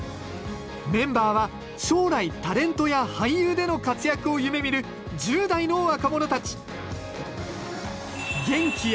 メンバーは将来タレントや俳優での活躍を夢みる１０代の若者たち。